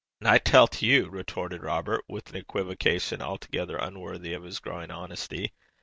'An' I tellt you,' retorted Robert, with an equivocation altogether unworthy of his growing honesty.